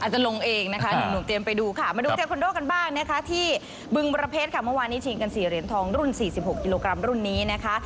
จึงประเภทค่ะเมื่อวานนี้ชีวิตกันสี่เหรียญทองรุ่น๔๖กิโลกรัมรุ่นนี้นะคะ